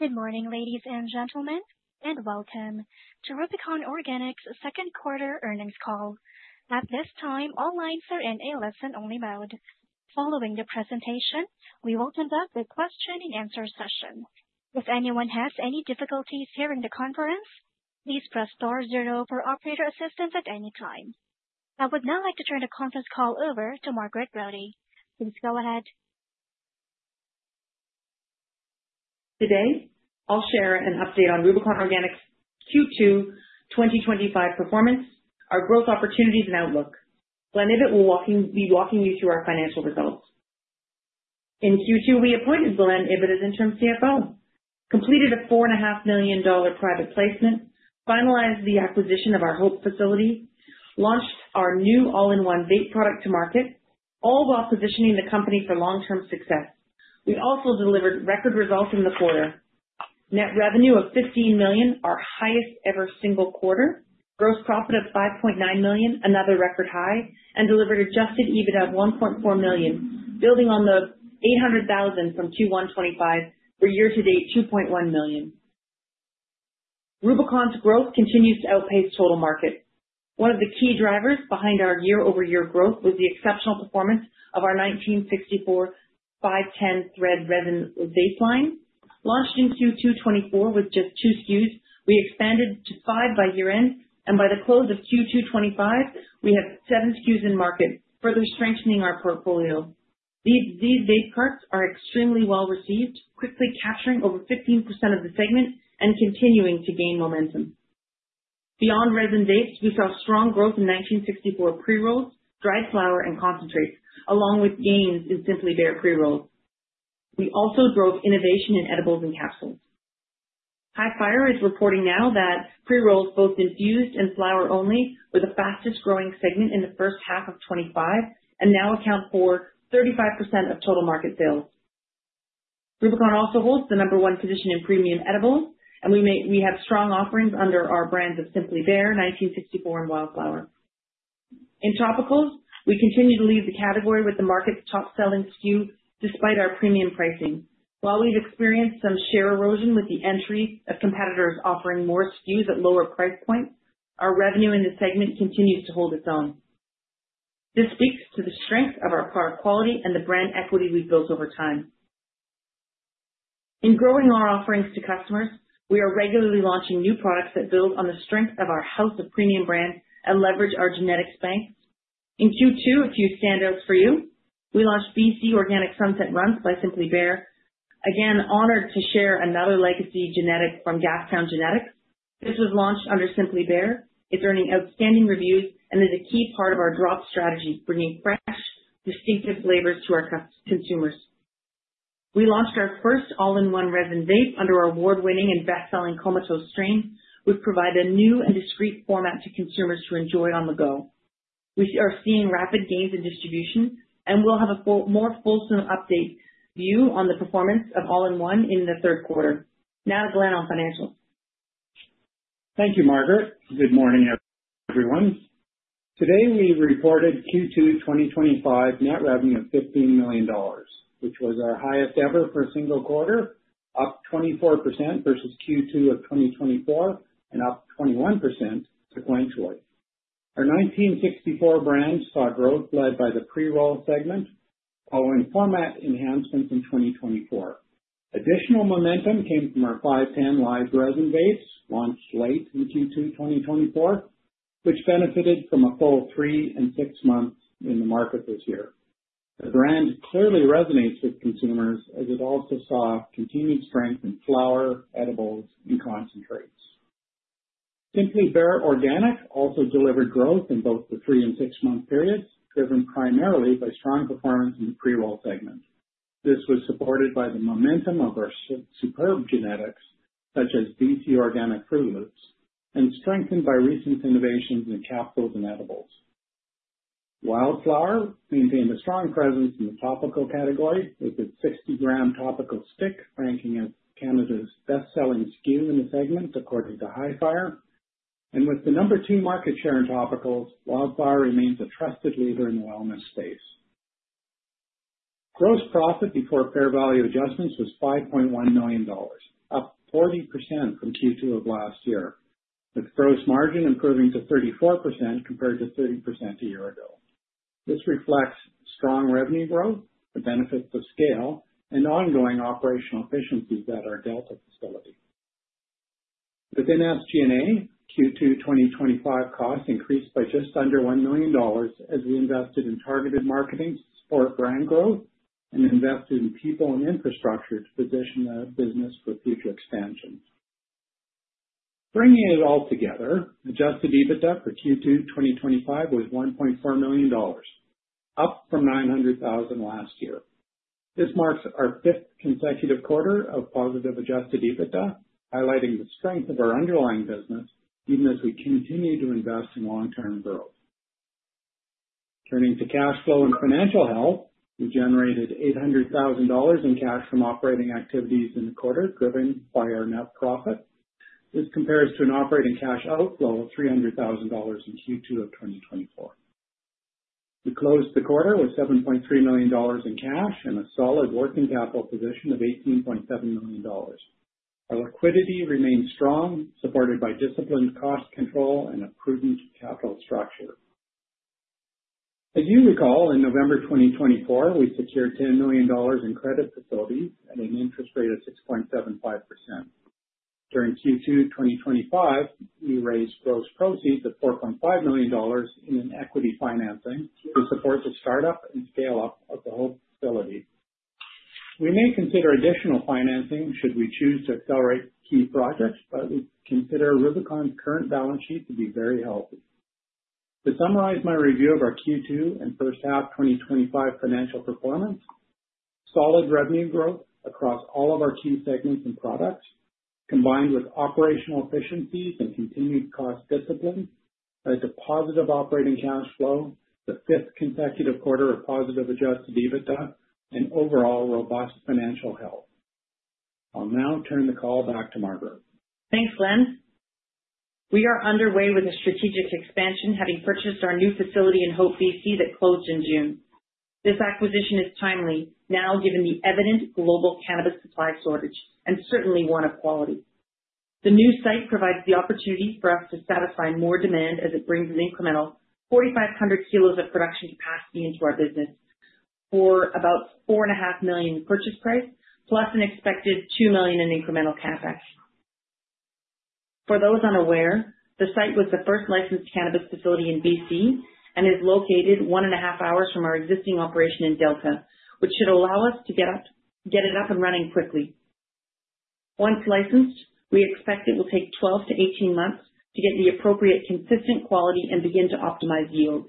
Good morning, ladies and gentlemen, and welcome to Rubicon Organics Second Quarter Earnings Call. At this time, all lines are in a listen-only mode. Following the presentation, we will conduct a question-and-answer session. If anyone has any difficulties hearing the conference, please press *0 for operator assistance at any time. I would now like to turn the conference call over to Margaret Brodie. Please go ahead. Today, I'll share an update on Rubicon Organics' Q2 2025 performance, our growth opportunities, and outlook. Glen Ibbott will be walking you through our financial results. In Q2, we appointed Glen Ibbott as Interim CFO, completed a $4.5 million private placement, finalized the acquisition of our Hope facility, launched our new all-in-one vape product to market, all while positioning the company for long-term success. We also delivered record results in the quarter. Net revenue of $15 million, our highest ever single quarter, gross profit of $5.9 million, another record high, and delivered adjusted EBITDA of $1.4 million, building on the $800,000 from Q1 2025 for year-to-date $2.1 million. Rubicon's growth continues to outpace total market. One of the key drivers behind our year-over-year growth was the exceptional performance of our 1964 510 thread resin vape line. Launched in Q2 2024 with just two SKUs, we expanded to five by year-end, and by the close of Q2 2025, we have seven SKUs in market, further strengthening our portfolio. These vape parts are extremely well received, quickly capturing over 15% of the segment and continuing to gain momentum. Beyond resin vapes, we saw strong growth in 1964 pre-rolls, dried flower, and concentrates, along with gains in Simply Bare pre-rolls. We also drove innovation in edibles and capsules. Hifyre is reporting now that pre-rolls, both infused and flower-only, were the fastest growing segment in the first half of 2025 and now account for 35% of total market sales. Rubicon also holds the number one position in premium edibles, and we have strong offerings under our brands of Simply Bare, 1964, and Wildflower. In topicals, we continue to lead the category with the market's top-selling SKU despite our premium pricing. While we've experienced some share erosion with the entry of competitors offering more SKUs at lower price points, our revenue in the segment continues to hold its own. This speaks to the strength of our product quality and the brand equity we've built over time. In growing our offerings to customers, we are regularly launching new products that build on the strength of our house of premium brands and leverage our genetics bank. In Q2, a few standouts for you. We launched BC Organic Sunset Runtz by Simply Bare. Again, honored to share another legacy genetic from Gastown Genetics. This was launched under Simply Bare. It's earning outstanding reviews and is a key part of our drop strategy, bringing fresh, distinctive flavors to our consumers. We launched our first all-in-one resin vape under our award-winning and best-selling Comatose strain. We've provided a new and discreet format to consumers to enjoy on the go. We are seeing rapid gains in distribution, and we'll have a more fulsome update view on the performance of all-in-one in the third quarter. Now to Glen on financials. Thank you, Margaret. Good morning, everyone. Today, we reported Q2 2025 net revenue of $15 million, which was our highest ever for a single quarter, up 24% versus Q2 of 2024 and up 21% sequentially. Our 1964 brands saw growth led by the pre-roll segment following format enhancements in 2024. Additional momentum came from our 510 live resin vapes, launched late in Q2 2024, which benefited from a full three and six months in the market this year. The brand clearly resonates with consumers as it also saw continued strength in flower, edibles, and concentrates. Simply Bare Organic also delivered growth in both the three and six-month periods, driven primarily by strong performance in the pre-roll segment. This was supported by the momentum of our superb genetics, such as BC Organic Fruit Loopz, and strengthened by recent innovations in capsules and edibles. Wildflower maintained a strong presence in the topicals category with its 60-gram topical stick, ranking it Canada's best-selling SKU in the segment according to Hifyre. With the number two market share in topicals, Wildflower remains a trusted leader in the wellness space. Gross profit before fair value adjustments was $5.1 million, up 40% from Q2 of last year, with gross margin improving to 34% compared to 30% a year ago. This reflects strong revenue growth, the benefits of scale, and ongoing operational efficiencies at our Delta facility. Within SG&A, Q2 2025 costs increased by just under $1 million as we invested in targeted marketing to support brand growth and invested in people and infrastructure to position the business for future expansions. Bringing it all together, adjusted EBITDA for Q2 2025 was $1.4 million, up from $900,000 last year. This marks our fifth consecutive quarter of positive adjusted EBITDA, highlighting the strength of our underlying business, even as we continue to invest in long-term growth. Turning to cash flow and financial health, we generated $800,000 in cash from operating activities in the quarter, driven by our net profit. This compares to an operating cash outflow of $300,000 in Q2 of 2024. We closed the quarter with $7.3 million in cash and a solid working capital position of $18.7 million. Our liquidity remains strong, supported by disciplined cost control and a prudent capital structure. As you recall, in November 2024, we secured $10 million in credit facilities at an interest rate of 6.75%. During Q2 2025, we raised gross proceeds of $4.5 million in equity financing to support the startup and scale-up of the Hope facility. We may consider additional financing should we choose to accelerate key projects, but we consider Rubicon Organics' current balance sheet to be very healthy. To summarize my review of our Q2 and first half 2025 financial performance, solid revenue growth across all of our key segments and products, combined with operational efficiencies and continued cost discipline, a deposit of operating cash flow, the fifth consecutive quarter of positive adjusted EBITDA, and overall robust financial health. I'll now turn the call back to Margaret. Thanks, Glen. We are underway with a strategic expansion, having purchased our new facility in Hope, BC, that closed in June. This acquisition is timely, now given the evident global cannabis supply shortage and certainly one of quality. The new site provides the opportunity for us to satisfy more demand as it brings an incremental 4,500 kilos of production capacity into our business, for about $4.5 million in purchase price, plus an expected $2 million in incremental CAPEX. For those unaware, the site was the first licensed cannabis facility in BC and is located one and a half hours from our existing operation in Delta, which should allow us to get it up and running quickly. Once licensed, we expect it will take 12-18 months to get the appropriate consistent quality and begin to optimize yield.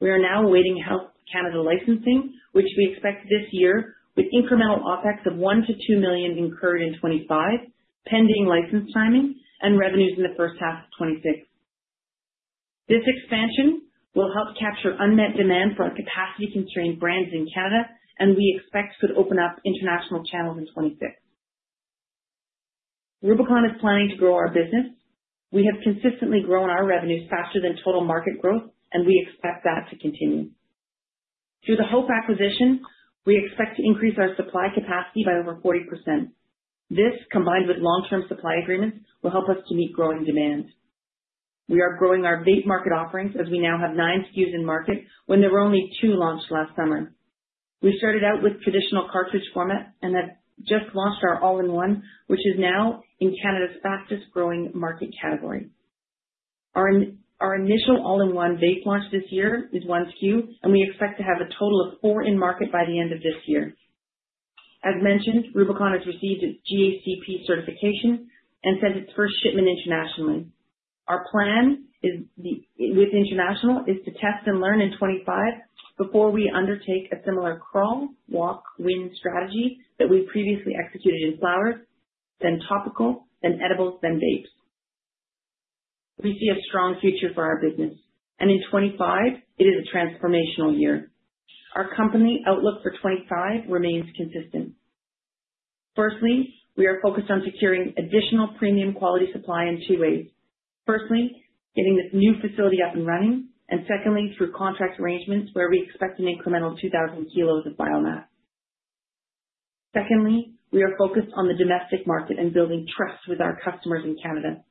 We are now awaiting Health Canada licensing, which we expect this year with incremental OPEX of $1 million-$2 million incurred in 2025, pending license timing and revenues in the first half of 2026. This expansion will help capture unmet demand for our capacity-constrained brands in Canada, and we expect could open up international channels in 2026. Rubicon is planning to grow our business. We have consistently grown our revenues faster than total market growth, and we expect that to continue. Through the Hope acquisition, we expect to increase our supply capacity by over 40%. This, combined with long-term supply agreements, will help us to meet growing demand. We are growing our vape market offerings as we now have nine SKUs in market when there were only two launched last summer. We started out with traditional cartridge format and have just launched our all-in-one, which is now in Canada's fastest growing market category. Our initial all-in-one vape launch this year is one SKU, and we expect to have a total of four in market by the end of this year. As mentioned, Rubicon Organics has received its GACP certification and sent its first shipment internationally. Our plan with international is to test and learn in 2025 before we undertake a similar crawl, walk, win strategy that we previously executed in flowers, then topicals, then edibles, then vapes. We see a strong future for our business, and in 2025, it is a transformational year. Our company outlook for 2025 remains consistent. Firstly, we are focused on securing additional premium quality supply in two ways. Firstly, getting this new facility up and running, and secondly, through contract arrangements where we expect an incremental 2,000 kg of biomass. Secondly, we are focused on the domestic market and building trust with our customers in Canada.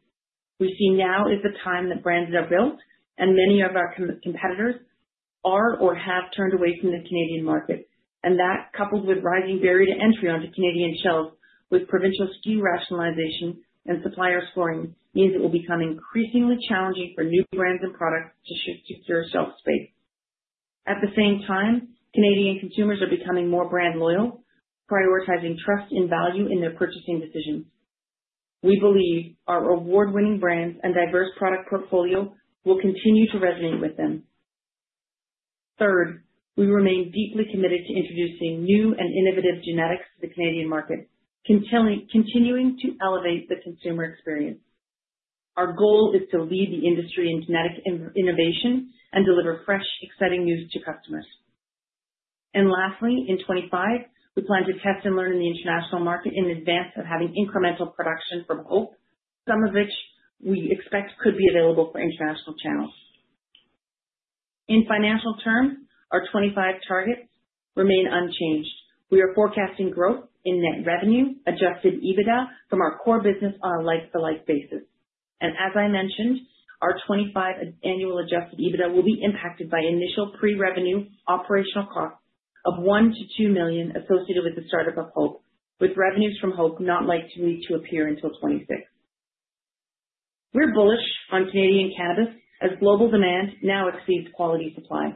We see now is the time that brands are built, and many of our competitors are or have turned away from the Canadian market. That, coupled with rising barrier to entry onto Canadian shelves with provincial SKU rationalization and supplier scoring, means it will become increasingly challenging for new brands and products to shift to serve shelf space. At the same time, Canadian consumers are becoming more brand loyal, prioritizing trust in value in their purchasing decision. We believe our award-winning brands and diverse product portfolio will continue to resonate with them. Third, we remain deeply committed to introducing new and innovative genetics to the Canadian market, continuing to elevate the consumer experience. Our goal is to lead the industry in genetics innovation and deliver fresh, exciting news to customers. Lastly, in 2025, we plan to test and learn in the international market in advance of having incremental production from Hope, some of which we expect could be available for international channels. In financial terms, our 2025 targets remain unchanged. We are forecasting growth in net revenue, adjusted EBITDA from our core business on a like-for-like basis. As I mentioned, our 2025 annual adjusted EBITDA will be impacted by initial pre-revenue operational costs of $1 million-$2 million associated with the startup of Hope, with revenues from Hope not likely to appear until 2026. We're bullish on Canadian cannabis as global demand now exceeds quality supply.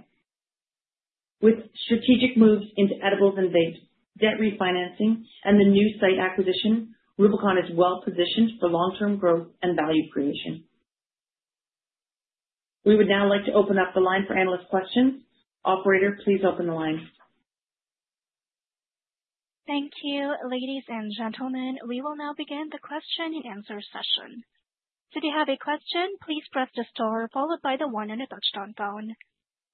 With strategic moves into edibles and vapes, debt refinancing, and the new site acquisition, Rubicon is well positioned for long-term growth and value creation. We would now like to open up the line for analyst questions. Operator, please open the line. Thank you, ladies and gentlemen. We will now begin the question-and-answer session. To have a question, please press the star followed by the one on the touch-tone phone.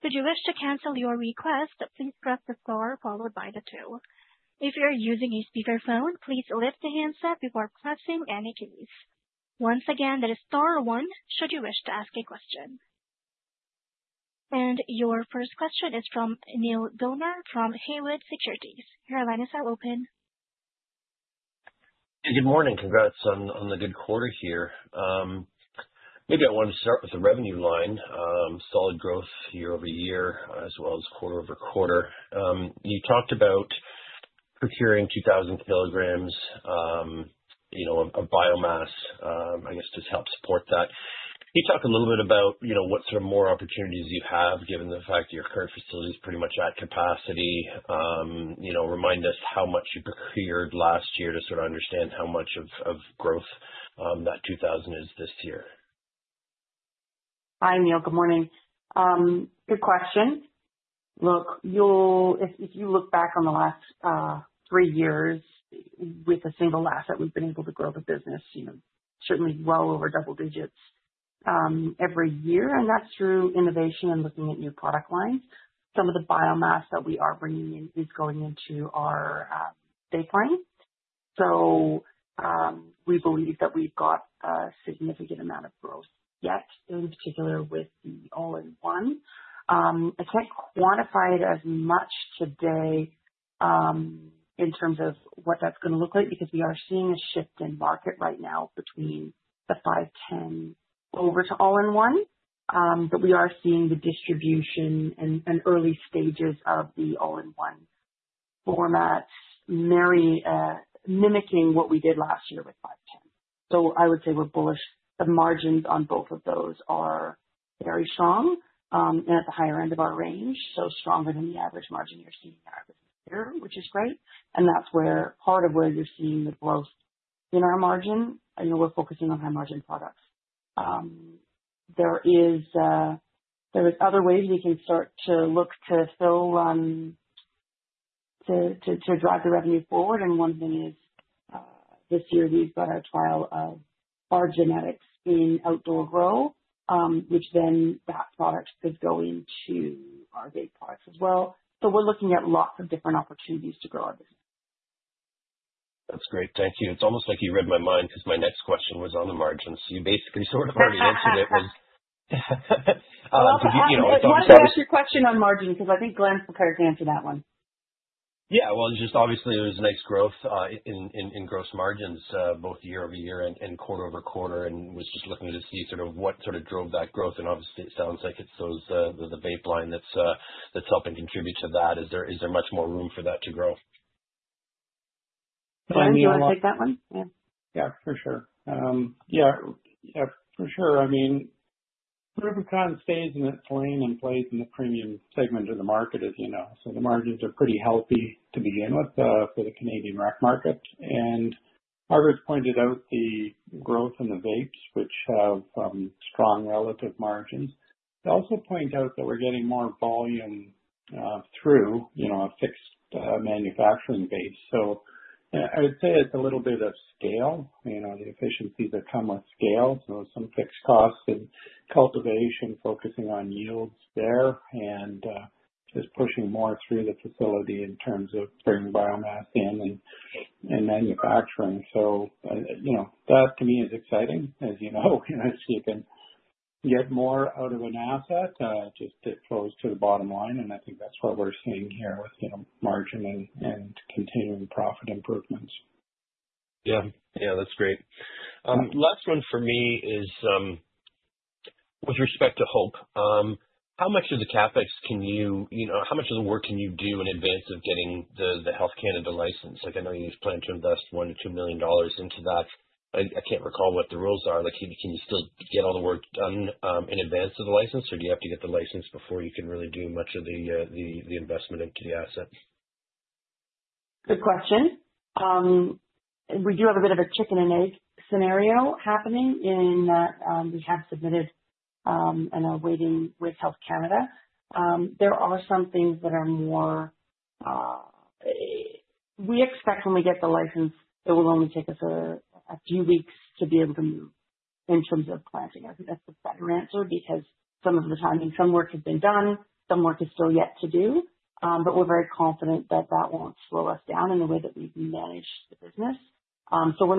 If you wish to cancel your request, please press the star followed by the two. If you're using a speakerphone, please lift the handset before pressing any keys. Once again, there is star one should you wish to ask a question. Your first question is from Neal Gilmer from Haywood Securities. Your line is now open. Hey, good morning. Congrats on the good quarter here. Maybe I want to start with the revenue line, solid growth year-over-year as well as quarter-over-quarter. You talked about procuring 2,000 kg of biomass. I guess this helps support that. Can you talk a little bit about what sort of more opportunities you have given the fact your current facility is pretty much at capacity? Remind us how much you procured last year to sort of understand how much of growth that 2,000 kg is this year. Hi, Neal. Good morning. Good question. Look, if you look back on the last three years, with a single asset, we've been able to grow the business, you know, certainly well over double digits every year. That's through innovation and looking at new product lines. Some of the biomass that we are bringing in is going into our vape line. We believe that we've got a significant amount of growth yet, in particular with the all-in-one. I can't quantify it as much today in terms of what that's going to look like because we are seeing a shift in market right now between the 510 over to all-in-one. We are seeing the distribution and early stages of the all-in-one formats mimicking what we did last year with 510. I would say we're bullish. The margins on both of those are very strong and at the higher end of our range, so stronger than the average margin you're seeing out of the year, which is great. That's where part of where you're seeing the growth in our margin. I know we're focusing on high-margin products. There are other ways we can start to look to fill to drive the revenue forward. One thing is, this year, we've got a trial of our genetics in outdoor grow, which then that product is going to our vape products as well. We're looking at lots of different opportunities to grow at this point. That's great. Thank you. It's almost like you read my mind because my next question was on the margins. You basically sort of already answered it. I want to start with your question on margin because I think Glen's prepared to answer that one. Yeah, well, just obviously, there was nice growth in gross margins both year-over-year and quarter-over-quarter. I was just looking to see what sort of drove that growth. It sounds like it's the vape line that's helping contribute to that. Is there much more room for that to grow? Glen, do you want to take that one? Yeah, for sure. I mean, Rubicon stays in its lane and plays in the premium segment of the market. The margins are pretty healthy to begin with for the Canadian rough market. Margaret pointed out the growth in the vapes, which have strong relative margins. I'd also point out that we're getting more volume through a fixed manufacturing base. I would say it's a little bit of scale, the efficiencies that come with scale, some fixed costs and cultivation focusing on yields there and just pushing more through the facility in terms of bringing biomass in and manufacturing. That to me is exciting. As you know, you're not escaping yet more out of an asset. It just flows to the bottom line. I think that's what we're seeing here with margin and continuing profit improvements. Yeah, that's great. Last one for me is with respect to Hope. How much of the CapEx can you, you know, how much of the work can you do in advance of getting the Health Canada license? I know you plan to invest $1 million-$2 million into that. I can't recall what the rules are. Can you still get all the work done in advance of the license, or do you have to get the license before you can really do much of the investment into the asset? Good question. We do have a bit of a chicken and egg scenario happening in that we have submitted and are waiting with Health Canada. There are some things that are more, we expect when we get the license, it will only take us a few weeks to be able to move in terms of planting it. That's the fundamental because some of the timing, some work has been done, some work is still yet to do. We're very confident that that won't slow us down in the way that we've managed the business. We're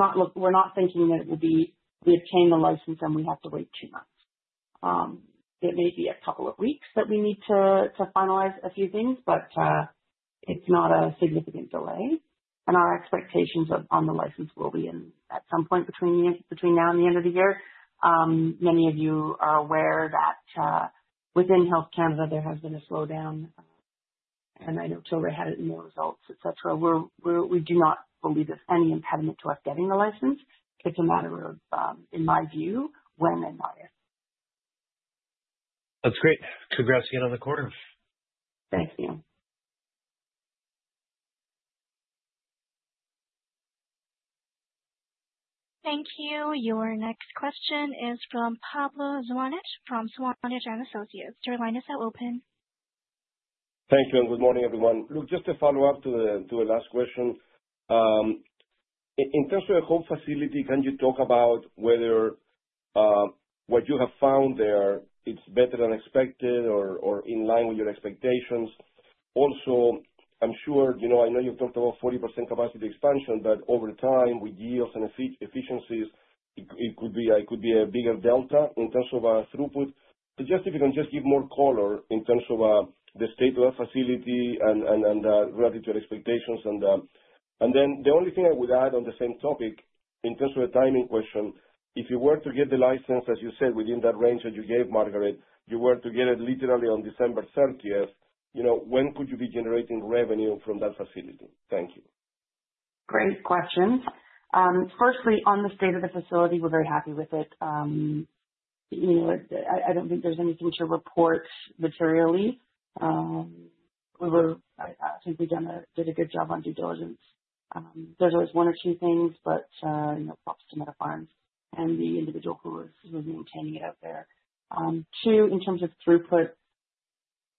not thinking that it will be, we obtain the license and we have to wait two months. It may be a couple of weeks that we need to finalize a few things, but it's not a significant delay. Our expectations on the license will be in at some point between now and the end of the year. Many of you are aware that within Health Canada, there has been a slowdown. I know Tory had, you know, results, etc. We do not believe there's any impediment to us getting the license. It's a matter of, in my view, when and why it. That's great. Congrats again on the quarter. Thanks, Neal. Thank you. Your next question is from Pablo Zuanic from Zuanic & Associates. Your line is now open. Thank you. Good morning, everyone. Just to follow up to the last question, in terms of the Hope facility, can you talk about whether what you have found there is better than expected or in line with your expectations? Also, I know you've talked about 40% capacity expansion, but over time, with yields and efficiencies, it could be a bigger delta in terms of throughput. If you can just give more color in terms of the state of that facility and relative to expectations. The only thing I would add on the same topic, in terms of the timing question, if you were to get the license, as you said, within that range that you gave, Margaret, you were to get it literally on December 30th, when could you be generating revenue from that facility? Thank you. Great question. Firstly, on the state of the facility, we're very happy with it. I don't think there's anything to report materially. I think we did a good job on due diligence. There's always one or two things, but props to medical arms and the individual coolers who are maintaining it out there. Two, in terms of throughput,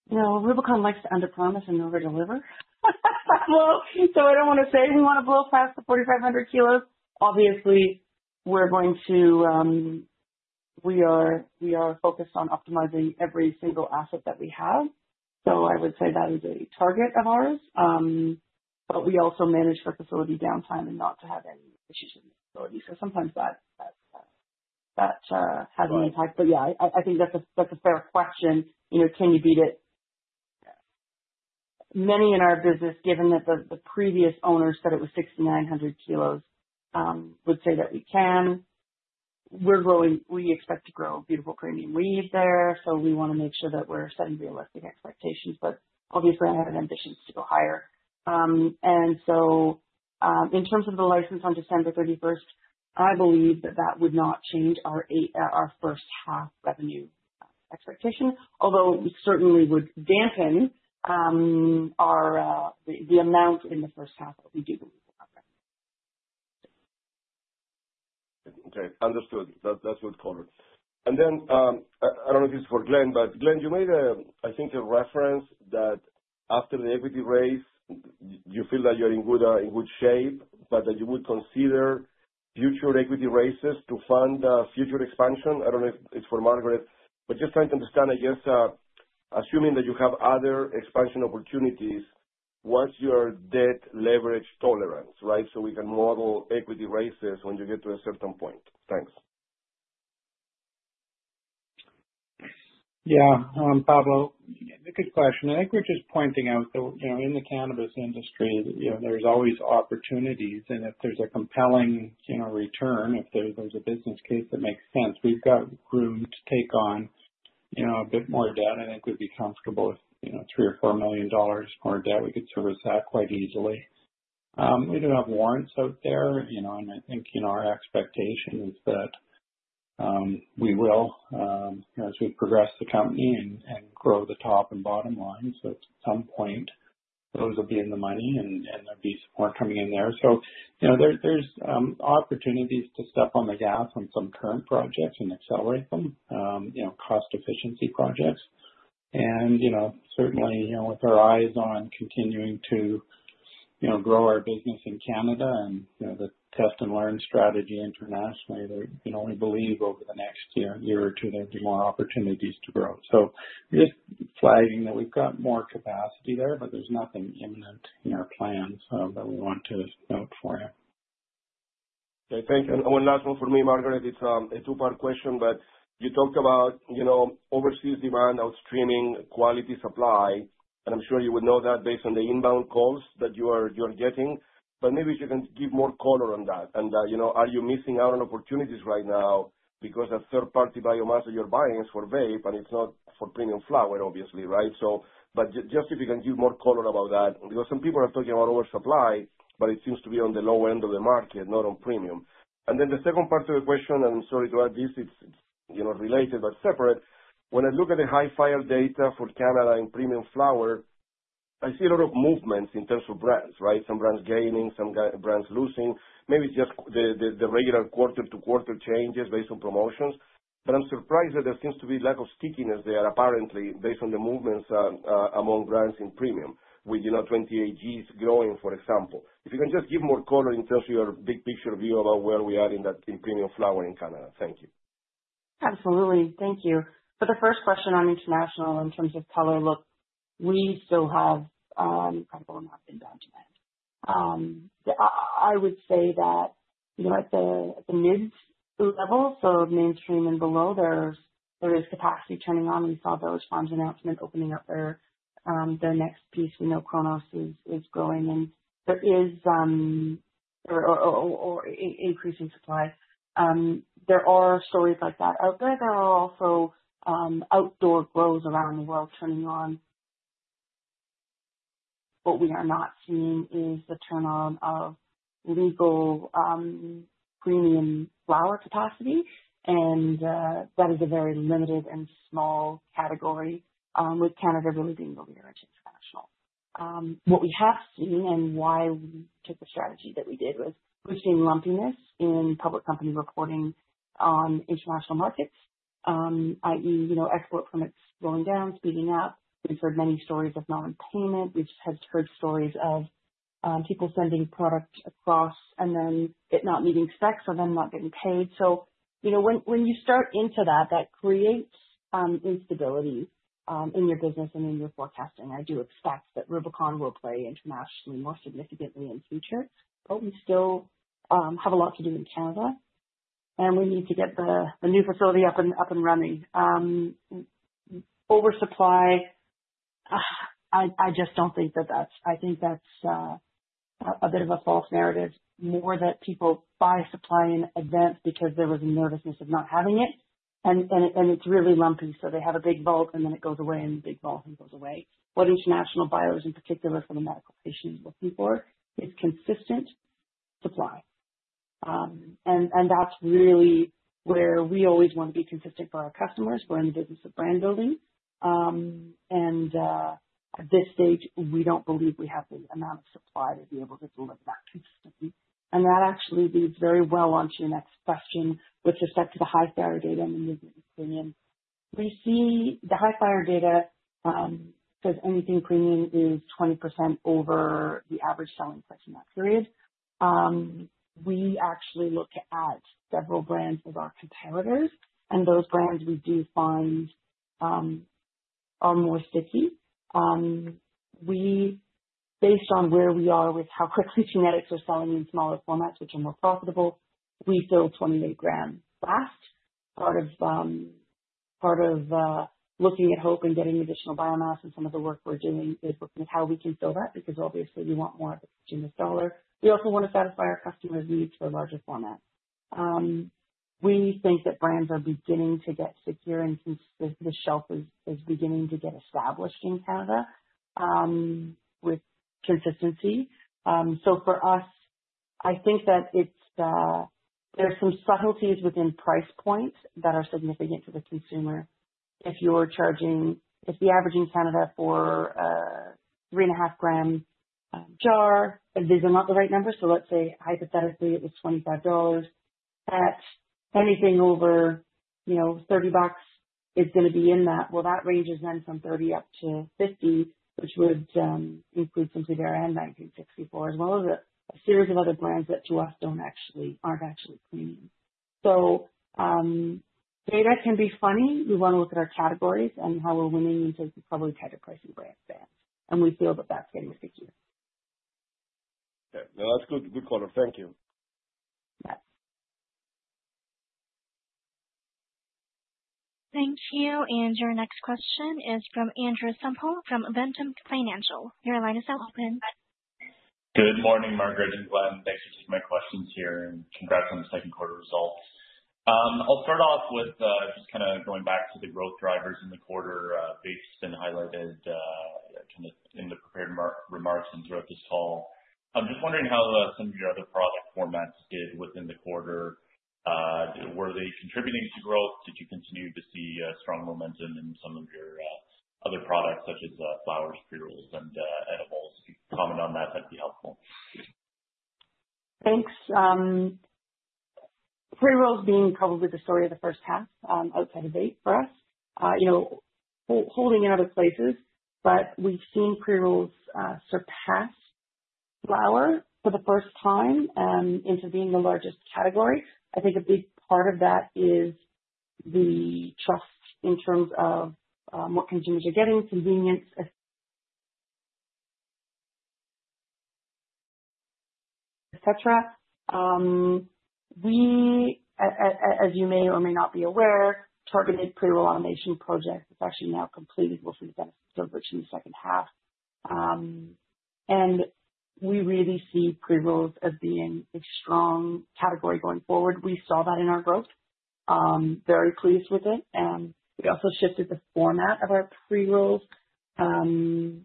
Rubicon likes to underpromise and never deliver. I don't want to say we want to blow past the 4,500 kg. Obviously, we are focused on optimizing every single asset that we have. I would say that is a target of ours. We also manage for facility downtime and not to have any issues with the facility. Sometimes that has an impact. I think that's a fair question. Can you beat it? Many in our business, given that the previous owners said it was 6,900 kg, would say that we can. We're growing. We expect to grow beautiful premium weed there. We want to make sure that we're setting realistic expectations. Obviously, I had an ambition to go higher. In terms of the license on December 31st, I believe that that would not change our first half revenue expectation, although it certainly would dampen the amount in the first half that we do. Okay. Understood. That's what's called. And then I don't know if this is for Glenn, but Glen, you made a, I think, a reference that after the equity raise, you feel that you're in good shape, but that you would consider future equity raises to fund future expansion. I don't know if it's for Margaret, but just trying to understand, I guess, assuming that you have other expansion opportunities, what's your debt leverage tolerance, right? We can model equity raises when you get to a certain point. Thanks. Yeah. Pablo, good question. I think we're just pointing out that, you know, in the cannabis industry, there's always opportunities. If there's a compelling return, if there's a business case that makes sense, we've got room to take on a bit more debt. I think we'd be comfortable with $3 million or $4 million more debt. We could service that quite easily. We do have warrants out there, and I think our expectation is that we will, as we progress the company and grow the top and bottom line. At some point, those will be in the money and there'll be support coming in there. There's opportunities to step on the gas on some current projects and accelerate them, cost efficiency projects. Certainly, with our eyes on continuing to grow our business in Canada and the test and learn strategy internationally, we believe over the next year or two, there'll be more opportunities to grow. Just flagging that we've got more capacity there, but there's nothing imminent in our plans that we want to note for you. Okay. Thank you. One last one for me, Margaret. It's a two-part question, but you talked about overseas demand outstripping quality supply. I'm sure you would know that based on the inbound calls that you are getting. Maybe if you can give more color on that. Are you missing out on opportunities right now because that third-party biomass that you're buying is for vape and it's not for premium flower, obviously, right? If you can give more color about that because some people are talking about oversupply, but it seems to be on the low end of the market, not on premium. The second part of the question, and I'm sorry to add this, it's related but separate. When I look at the Hifyre data for Canada in premium flower, I see a lot of movements in terms of brands, right? Some brands gaining, some brands losing. Maybe it's just the regular quarter-to-quarter changes based on promotions. I'm surprised that there seems to be a lack of stickiness there, apparently, based on the movements among brands in premium, with 28 g growing, for example. If you can just give more color in terms of your big picture view about where we are in that in premium flower in Canada. Thank you. Absolutely. Thank you. For the first question on international, in terms of color look, we still have a lot of work to be done. I would say that, you know, at the mid-level, so of mainstream and below, there is capacity turning on. We saw the ROSE pharms announcement opening up their next piece. We know Cronos is growing and there is or increasing supply. There are stories like that out there. There are also outdoor grows around the world turning on. What we are not seeing is the turn on of illegal premium flower capacity. That is a very limited and small category, with Canada really being the leader. What we have seen and why we took the strategy that we did was we've seen lumpiness in public company reporting on international markets, i.e., export permits going down, speeding up. We've heard many stories of non-payment. We've heard stories of people sending product across and then it not meeting specs or them not getting paid. When you start into that, that creates instability in your business and in your forecasting. I do expect that Rubicon will play internationally more significantly in the future. We still have a lot to do in Canada. We need to get the new facility up and running. Oversupply, I just don't think that that's, I think that's a bit of a false narrative. More that people buy supply in advance because there was a nervousness of not having it. It's really lumpy. They have a big vault and then it goes away and a big vault and goes away. What international buyers, in particular, for the medical patients looking for is consistent supply. That's really where we always want to be consistent for our customers, for any business of brand building. At this stage, we don't believe we have the amount of supply to be able to deliver that consistently. That actually leads very well onto your next question with respect to the Hifyre data and the new premium. We see the Hyfire data because anything premium is 20% over the average selling price in that period. We actually looked at several brands of our competitors, and those brands we do find are more sticky. We, based on where we are with how quickly genetics are selling in smaller formats, which are more profitable, we fill 28 g last, part of looking at Hope and getting additional biomass. Some of the work we're doing is looking at how we can fill that because obviously we want more of a consumer seller. We also want to satisfy our customer needs for larger formats. We think that brands are beginning to get secure, and since the shelf is beginning to get established in Canada with consistency, for us, I think that there's some subtleties within price points that are significant to the consumer. If you're charging, if you're averaging in Canada for a 3.5 g jar, and these are not the right numbers, so let's say hypothetically it was $25, at anything over, you know, $30 is going to be in that. That ranges then from $30 up to $50, which would include Simply Bare and 1964 as well as a series of other brands that to us aren't actually premium. Data can be funny. We want to look at our categories and how we're winning in terms of probably tighter pricing way in advance, and we feel that that's getting stickier. Okay, no, that's a good point. Thank you. Thank you. Your next question is from Andrew Semple from Ventum Financial. Your line is now open. Good morning, Margaret and Glen. Thanks for taking my questions here and congrats on the second quarter results. I'll start off with just kind of going back to the growth drivers in the quarter based and highlighted kind of in the prepared remarks and throughout this call. I'm just wondering how some of your other product formats did within the quarter. Were they contributing to growth? Did you continue to see strong momentum in some of your other products such as flowers, pre-rolls, and edibles? Comment on that, that'd be helpful. Thanks. Pre-rolls being probably the story of the first half outside of vape for us. You know, holding out of places, but we've seen pre-rolls surpass flower for the first time and intervene in the largest categories. I think a big part of that is the trust in terms of what consumers are getting, convenience, etc. We, as you may or may not be aware, targeted pre-roll automation projects that's actually now completed, which we've benefited from in the second half. We really see pre-rolls as being a strong category going forward. We saw that in our growth. Very pleased with it. We also shifted the format of our pre-rolls in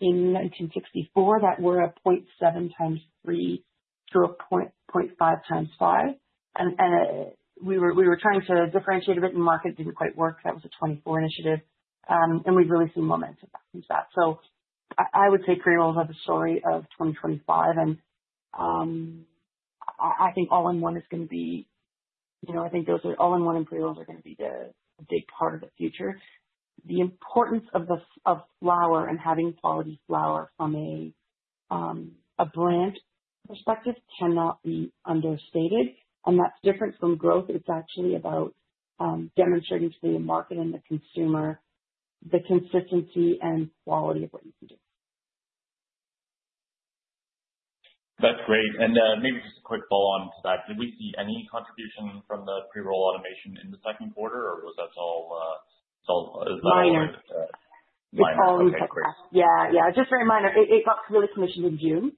1964, but we're at 0.7 g x 3 to 0.5 g x 5. We were trying to differentiate a bit in the market. It didn't quite work. That was a 2024 initiative. We've really seen momentum to that. I would say pre-rolls are the story of 2025. I think all-in-one is going to be, you know, I think those are all-in-one and pre-rolls are going to be a big part of the future. The importance of flower and having quality flower from a brand perspective cannot be understated. That's different from growth. It's actually about demonstrating to the market and the consumer the consistency and quality of what you can do. That's great. Maybe just a quick follow-on to that. Did we see any contribution from the pre-roll automation in the second quarter, or was that all? Minor. Minor. It's all in progress. Just a reminder, it got really commissioned in June.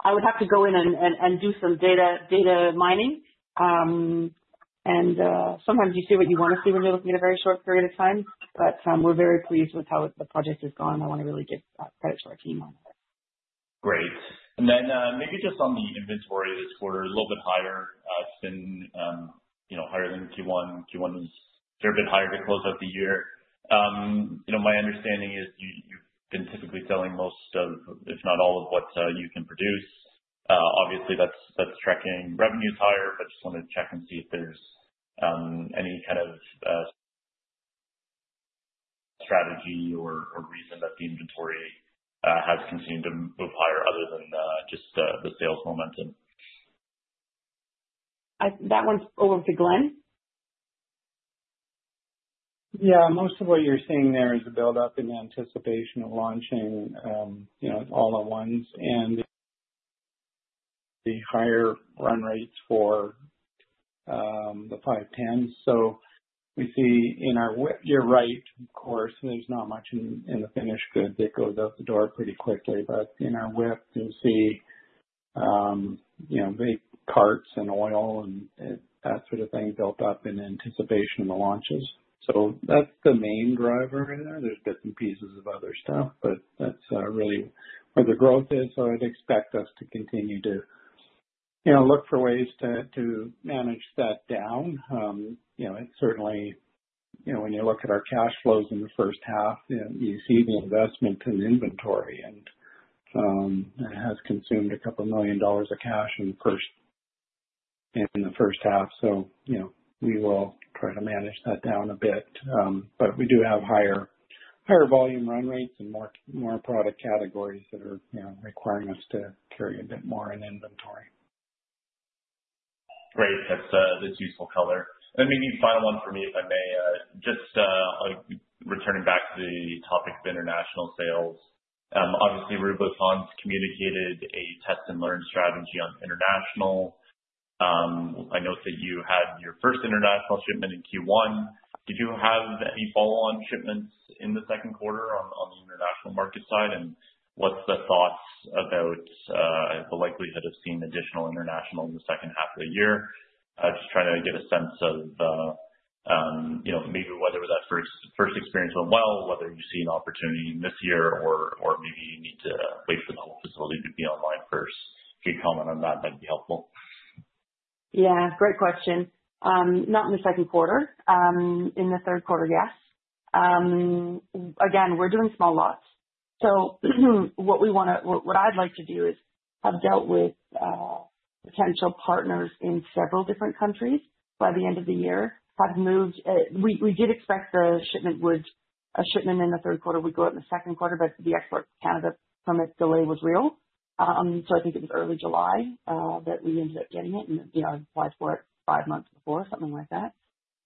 I would have to go in and do some data mining. Sometimes you see what you want to see when you're looking at a very short period of time. We're very pleased with how the project has gone. I want to really give credit to our team on that. Great. Maybe just on the inventory, we're a little bit higher. It's been higher than Q1. Q1 was a fair bit higher to close out the year. My understanding is you've been typically selling most of, if not all, of what you can produce. Obviously, that's tracking revenues higher, but I just wanted to check and see if there's any kind of strategy or reason that the inventory has continued to move higher other than just the sales momentum. That one's over to Glen. Most of what you're seeing there is a build-up in the anticipation of launching all at once and the higher run rates for the 510s. We see, you know, you're right, of course, there's not much in the finished good that goes out the door pretty quickly. In our WIP, you see vape parts and oil and that sort of thing built up in anticipation of the launches. That's the main driver in there. There are bits and pieces of other stuff, but that's really where the growth is. I'd expect us to continue to look for ways to manage that down. It's certainly, you know, when you look at our cash flows in the first half, you see the investment in inventory, and it has consumed a couple million dollars of cash in the first half. We will try to manage that down a bit. We do have higher volume run rates and more product categories that are requiring us to carry a bit more in inventory. Great. That's useful color. Maybe final one for me, if I may. Just returning back to the topic of international sales. Obviously, Rubicon has communicated a test and learn strategy on international. I note that you had your first international shipment in Q1. Did you have any follow-on shipments in the second quarter on the international market side? What's the thoughts about the likelihood of seeing additional international in the second half of the year? I'm just trying to get a sense of, you know, maybe whether that first experience went well, whether you see an opportunity in this year, or maybe you need to wait for the whole facility to be online first. Can you comment on that? That'd be helpful. Yeah. Great question. Not in the second quarter. In the third quarter, yes. Again, we're doing small lots. What I'd like to do is have dealt with potential partners in several different countries by the end of the year. We did expect a shipment in the third quarter would go out in the second quarter, but the export to Canada from its delay was real. I think it was early July that we ended up getting it, and we applied for it five months before, something like that.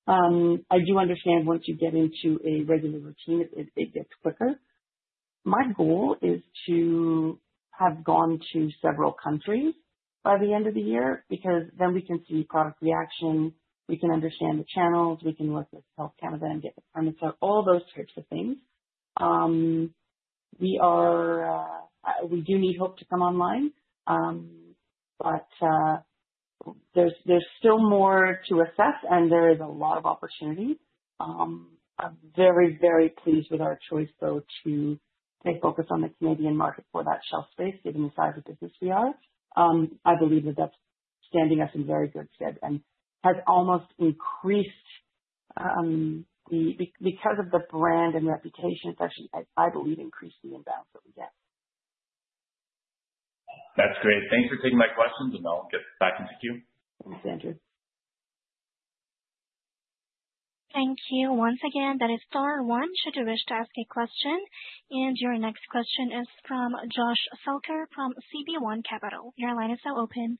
I do understand once you get into a regular routine, it gets quicker. My goal is to have gone to several countries by the end of the year because then we can see product reaction. We can understand the channels. We can look at Health Canada and get the premise, all those types of things. We do need Hope to come online. There's still more to assess, and there's a lot of opportunity. I'm very, very pleased with our choice, though, to stay focused on the Canadian market for that shelf space, given the size of the business we are. I believe that that's standing us in very good stead and has almost increased because of the brand and reputation. It's actually, I believe, increased the amount that we get. That's great. Thanks for taking my questions, and I'll get back into queue. Thanks, Andrew. Thank you. Once again, that is star one should you wish to ask a question. Your next question is from Josh Felker from CB1 Capital. Your line is now open.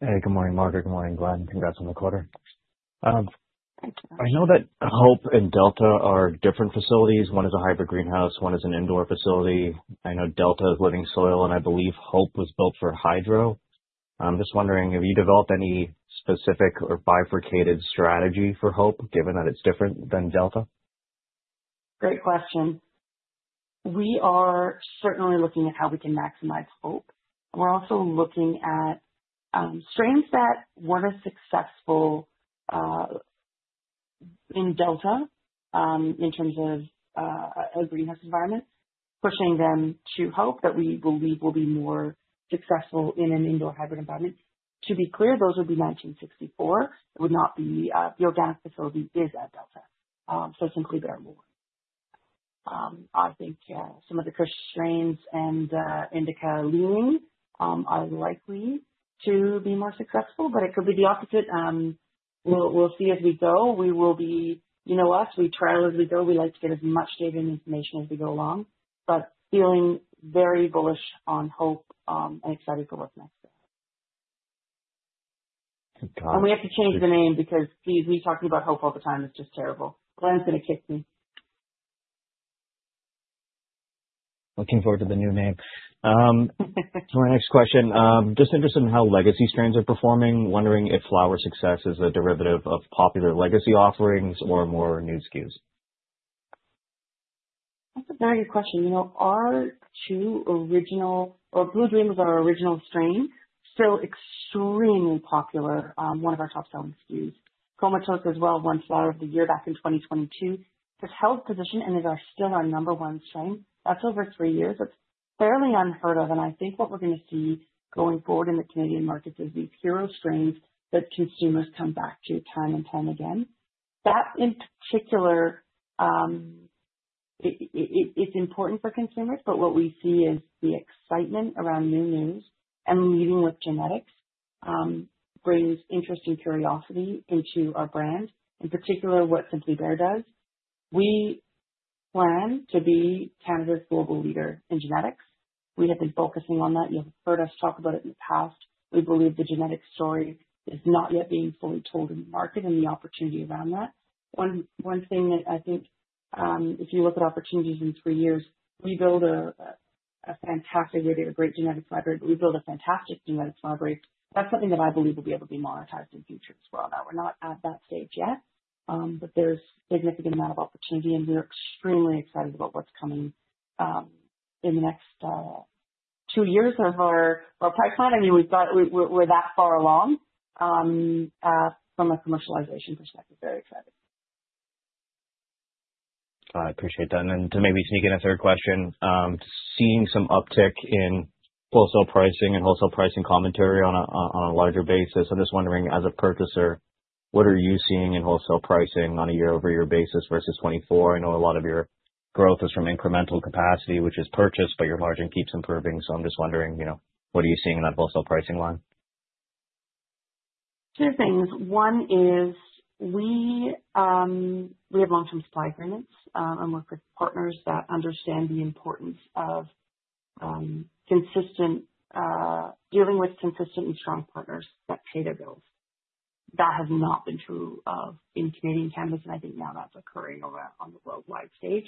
Hey, good morning, Margaret. Good morning, Glen. Congrats on the quarter. I know that Hope and Delta are different facilities. One is a hybrid greenhouse. One is an indoor facility. I know Delta is living soil, and I believe Hope was built for hydro. I'm just wondering if you developed any specific or bifurcated strategy for Hope, given that it's different than Delta? Great question. We are certainly looking at how we can maximize Hope. We're also looking at strains that weren't as successful in Delta in terms of a greenhouse environment, pushing them to Hope that we believe will be more successful in an indoor hybrid environment. To be clear, those would be 1964. It would not be the organic facility at Delta, so Simply Bare won't. I think some of the Kush strains and indica-leaning are likely to be more successful, but it could be the opposite. We'll see as we go. We try as we go. We like to get as much data and information as we go along. Feeling very bullish on Hope and excited for what's next. We have to change the name because we talking about Hope all the time is just terrible. Glen's going to kick me. Looking forward to the new names. For my next question, just interested in how legacy strains are performing. Wondering if flower success is a derivative of popular legacy offerings or more new SKUs. Very good question. You know, our two original, Blue Dream is our original strain, still extremely popular. One of our top-selling SKUs. Comatose was one Flower of the Year back in 2022. It's held position and is still our number one strain. That's over three years. That's fairly unheard of. I think what we're going to see going forward in the Canadian markets is these hero strains that consumers come back to time and time again. That in particular, it's important for consumers, but what we see is the excitement around new news and leading with genetics brings interest and curiosity into our brand, in particular what Simply Bare does. We plan to be Canada's global leader in genetics. We have been focusing on that. You've heard us talk about it in the past. We believe the genetic story is not yet being fully told in the market and the opportunity around that. One thing that I think, if you look at opportunities in three years, we build a fantastic year. They have a great genetics library. We build a fantastic genetics library. That's something that I believe will be able to be monetized in the future as well. Now, we're not at that stage yet, but there's a significant amount of opportunity, and we're extremely excited about what's coming in the next two years of our price line. I mean, we're that far along from a commercialization perspective. Very excited. I appreciate that. To maybe sneak in a third question, seeing some uptick in wholesale pricing and wholesale pricing commentary on a larger basis, I'm just wondering, as a purchaser, what are you seeing in wholesale pricing on a year-over-year basis versus 2024? I know a lot of your growth is from incremental capacity, which is purchased, but your margin keeps improving. I'm just wondering, you know, what are you seeing in that wholesale pricing line? Two things. One is we have long-term supply agreements and work with partners that understand the importance of dealing with consistently strong partners. Pay their bills. That has not been true in Canadian cannabis, and I think now that's occurring on the worldwide stage.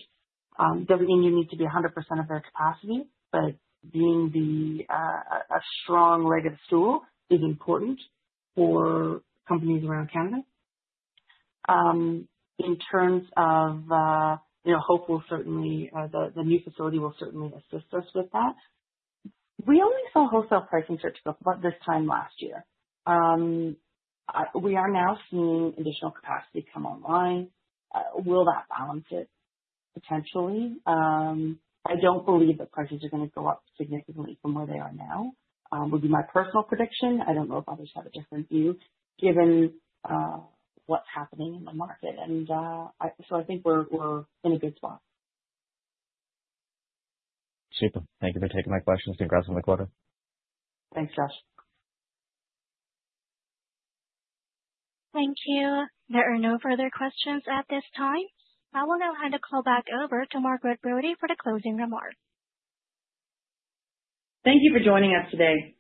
They're beginning to need to be 100% of their capacity, but being a strong leg of the stool is important for companies around Canada. In terms of Hope, the new facility will certainly assist us with that. We only saw wholesale pricing start to go up about this time last year. We are now seeing additional capacity come online. Will that balance it? Potentially. I don't believe that prices are going to go up significantly from where they are now, would be my personal prediction. I don't know if others have a different view given what's happening in the market. I think we're in a good spot. Super. Thank you for taking my questions. Congrats on the quarter. Thanks, Josh. Thank you. There are no further questions at this time. I will now hand the call back over to Margaret Brodie for the closing remarks. Thank you for joining us today.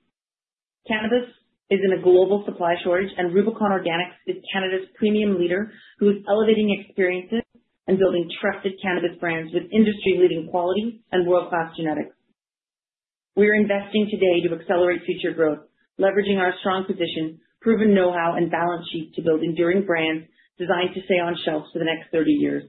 Cannabis is in a global supply shortage, and Rubicon Organics is Canada's premium leader who is elevating experiences and building trusted cannabis brands with industry-leading quality and world-class genetics. We're investing today to accelerate future growth, leveraging our strong position, proven know-how, and balance sheets to build enduring brands designed to stay on shelves for the next 30 years.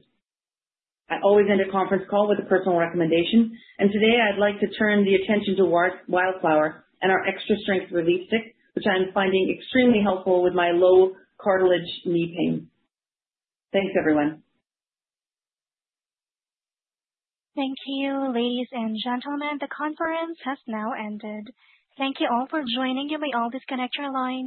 I always end a conference call with a personal recommendation, and today I'd like to turn the attention to Wildflower and our Extra Strength Relief Stick, which I'm finding extremely helpful with my low cartilage knee pain. Thanks, everyone. Thank you, ladies and gentlemen. The conference has now ended. Thank you all for joining. You may all disconnect your lines.